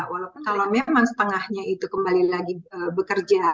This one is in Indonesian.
walaupun kalau memang setengahnya itu kembali lagi bekerja